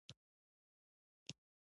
له احمد سره یوازې د تشې خولې سلام لرم.